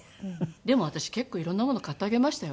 でも私結構いろんなもの買ってあげましたよ。